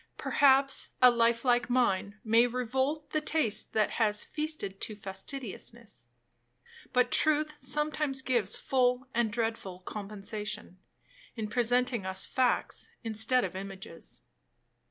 Perhaps a life like mine may revolt the taste that has feasted to fastidiousness; but truth sometimes gives full and dreadful compensation, in presenting us facts instead of images.